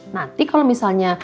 nanti kalau misalnya